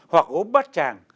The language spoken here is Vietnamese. hoặc gốm bát tràng